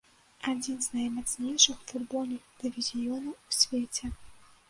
Адзін з наймацнейшых футбольных дывізіёнаў ў свеце.